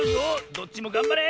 どっちもがんばれ！